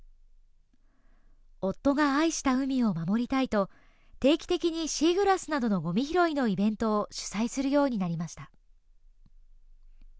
夫が愛した海を守りたいと定期的にシーグラスなどのごみ拾いのイベントを主催するようになりました。